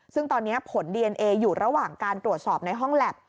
ซึ่งตอนนี้ผลดีเอนเออยู่ระหว่างการตรวจสอบในห้องแล็บ